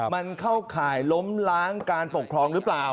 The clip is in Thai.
มันเข้าข่ายล้มล้างการปกครองหรือเปล่า